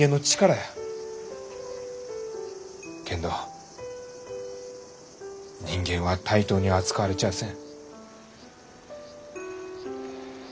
けんど人間は対等に扱われちゃあせん。